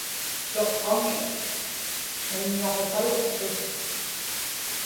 suqqaŋi qiññaġipaluktut